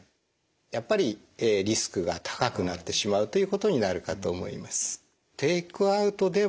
やっぱりリスクが高くなってしまうということになるかと思います。